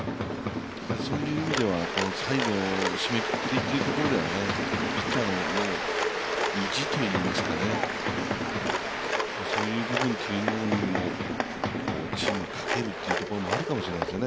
そういう意味では最後、締めくくりというところではピッチャーの意地といいますか、そういう部分にチームもかけるという部分があるでしょうね。